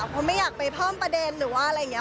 เพราะไม่อยากไปเพิ่มประเด็นหรือว่าอะไรอย่างนี้